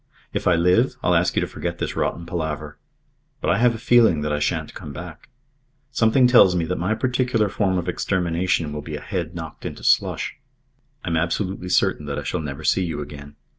If I live, I'll ask you to forget this rotten palaver. But I have a feeling that I shan't come back. Something tells me that my particular form of extermination will be a head knocked into slush. I'm absolutely certain that I shall never see you again.